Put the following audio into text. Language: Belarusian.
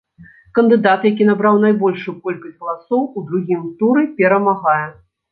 Кандыдат, які набраў найбольшую колькасць галасоў у другім туры, перамагае.